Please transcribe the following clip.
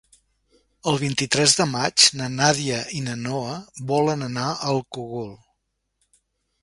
El vint-i-tres de maig na Nàdia i na Noa volen anar al Cogul.